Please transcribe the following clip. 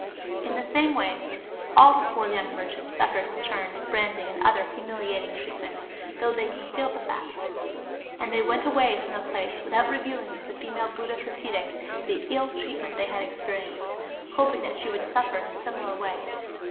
In the same way all the four young merchants suffered in turns branding and other humiliating treatment, though they concealed the fact. And they went away from the place, without revealing to the female Buddhist ascetic the ill treatment they had experienced, hoping that she would suffer in a similar way.